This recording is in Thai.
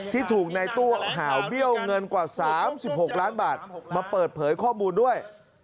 ที่ถูกในตู้หาวเบี้ยวเงินกว่า๓๖ล้านบาทมาเปิดเผยข้อมูลด้วย